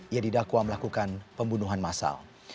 ia didakwa melakukan pembunuhan masal